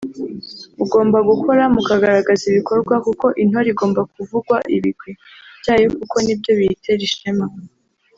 mugomba gukora mukagaragaza ibikorwa kuko intore igomba kuvuga ibigwi byayo kuko ni byo biyitera ishema